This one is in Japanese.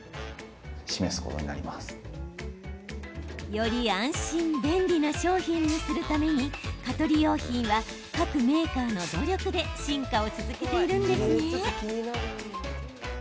より安心、便利な商品にするために蚊取り用品は各メーカーの努力で進化を続けているんですね。